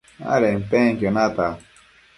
adenpenquio natac